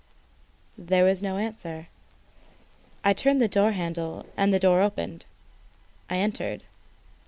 There was no answer. I turned the door handle and the door opened. I entered.